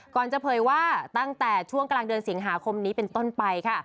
ก่อนเจ้าเผยว่าตั้งแต่ช่วงกำลังเดินเสียงหาคมนี้เป็นต้นไปค่ะ